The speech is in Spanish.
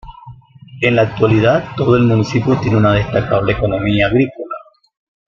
En la actualidad, todo el municipio tiene una destacable economía agrícola.